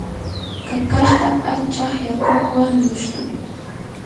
kakashta achaq yakuwan lushtuy.